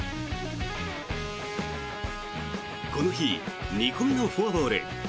この日、２個目のフォアボール。